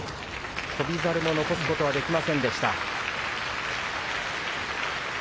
翔猿も残すことはできませんでした。